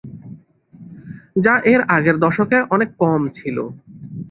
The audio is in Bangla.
যা এর আগের দশকে অনেক কম ছিল।